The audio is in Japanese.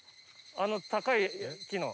あの高い木の。